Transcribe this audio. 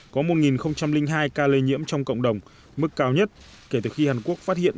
có một hai ca lây nhiễm trong cộng đồng mức cao nhất kể từ khi hàn quốc phát hiện